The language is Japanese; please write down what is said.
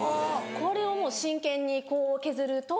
これをもう真剣にこう削ると。